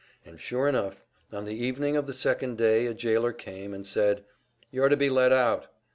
And sure enough, on the evening of the second day a jailer came and said: "You're to be let out."